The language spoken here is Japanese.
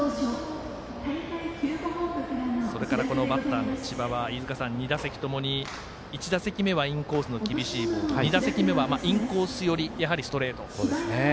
それからこのバッターの千葉は１打席目はインコースの厳しいボール２打席目はインコースのやはりストレート。